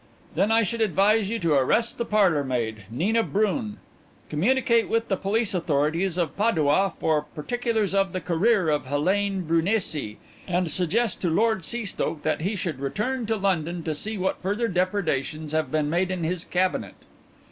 "Then I should advise you to arrest the parlourmaid, Nina Brun, communicate with the police authorities of Padua for particulars of the career of Helene Brunesi, and suggest to Lord Seastoke that he should return to London to see what further depredations have been made in his cabinet."